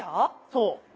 そう。